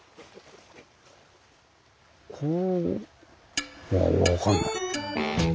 こうわぁ分かんない。